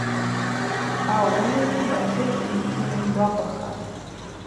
Ауи Бакьыр йгьйымгвапхатӏ.